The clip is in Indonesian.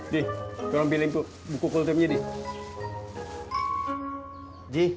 di dorong pilih buku kultumnya di